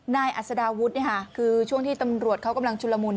อัศดาวุฒิคือช่วงที่ตำรวจเขากำลังชุลมุน